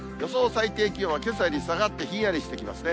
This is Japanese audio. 最低気温はけさより下がってひんやりしてきますね。